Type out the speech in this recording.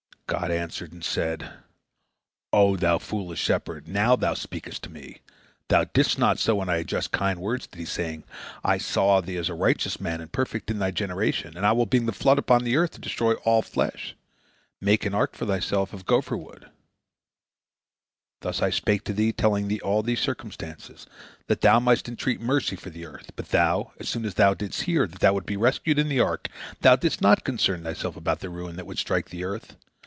God answered, and said: "O thou foolish shepherd, now thou speakest to Me. Thou didst not so when I addressed kind words to thee, saying: 'I saw thee as a righteous man and perfect in thy generation, and I will bring the flood upon the earth to destroy all flesh. Make an ark for thyself of gopher wood.' Thus spake I to thee, telling thee all these circumstances, that thou mightest entreat mercy for the earth. But thou, as soon as thou didst hear that thou wouldst be rescued in the ark, thou didst not concern thyself about the ruin that would strike the earth.